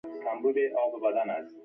ښوونځی د خلاقیت کور دی